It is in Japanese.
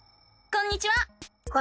こんにちは。